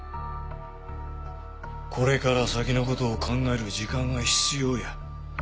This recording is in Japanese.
これから先の事を考える時間が必要や。